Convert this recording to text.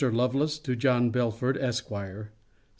LOVELACE, TO JOHN BELFORD, ESQ. ST.